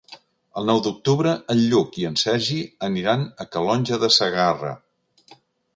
El nou d'octubre en Lluc i en Sergi aniran a Calonge de Segarra.